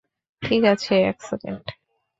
ঠিক আছে, এক সেকেন্ড।